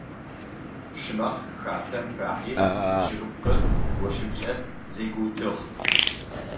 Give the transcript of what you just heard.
Пщымаф хатэм хахьи чъыгыпкъыр ощымкӀэ зэгуиутыгъ.